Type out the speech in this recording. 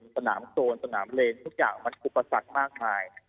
สนามโซนสนามเลนทุกอย่างมันอุปสรรคมากมาย